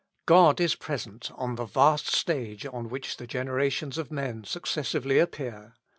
God is present on the vast stage on which the generations of men successively appear.